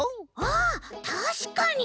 あたしかに！